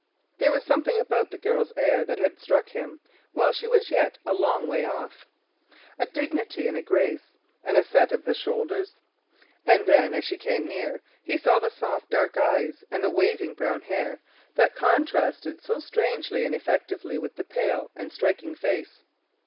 There was something about the girl's air that had struck him while she was yet a long way off—a dignity, a grace, and a set of the shoulders. Then as she came nearer he saw the soft dark eyes and the waving brown hair that contrasted so strangely and effectively with the pale and striking features.